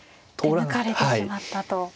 手抜かれてしまったと。